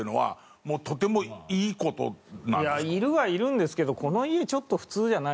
いるはいるんですけどこの家ちょっと普通じゃないです。